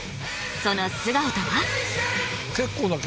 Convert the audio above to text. その素顔とは？